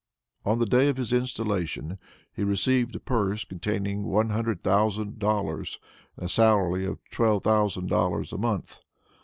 On the day of his installation he received a purse containing one hundred thousand dollars, and a salary of twelve thousand dollars a month.